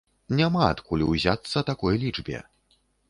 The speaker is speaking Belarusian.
Няма адкуль узяцца такой лічбе.